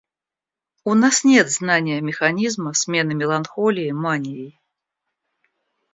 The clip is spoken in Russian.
У нас нет знания механизма смены меланхолии манией.